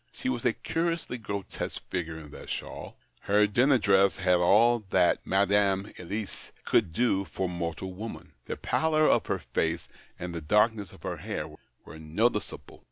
She was a curiously grotesque figure in that shawl. Her dinner dress had all that Madame EUice could do for mortal woman. The pallor of her face and the dark ness of her hair were noticeable.